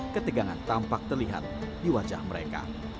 ketegangan tampak terlihat di wajah mereka